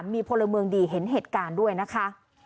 มีพลเมืองดีเห็นเหตุการณ์ด้วยนะคะ